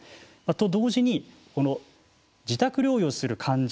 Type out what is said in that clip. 同時に自宅療養をする患者